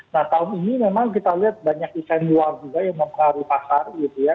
nah tahun ini memang kita lihat banyak event luar juga yang mempengaruhi pasar gitu ya